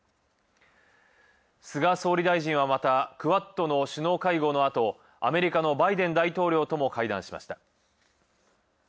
菅総理大臣はまた「クアッド」の首脳会合の後、アメリカのバイデン大統領とも会談しました。